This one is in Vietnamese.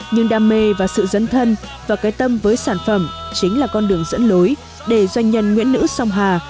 nhưng đam mê và sự dấn thân và cái tâm với sản phẩm chính là con đường dẫn lối để doanh nhân nguyễn nữ song hà